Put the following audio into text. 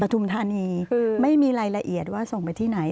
คือไม่มีรายละเอียดว่าส่งไปที่ไหน